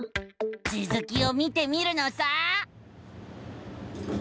つづきを見てみるのさ！